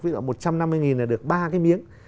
ví dụ một trăm năm mươi là được ba cái miếng